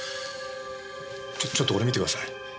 ちょちょっとこれ見てください。